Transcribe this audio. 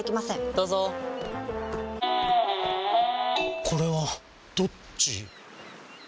どうぞこれはどっち？